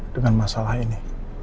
dengan masalah ini